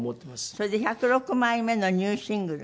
それで１０６枚目のニューシングル。